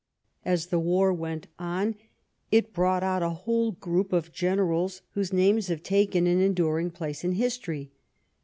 As the war went on it brought out a whole group of generals whose names have taken an enduring place in history.